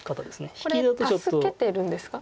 これ助けてるんですか？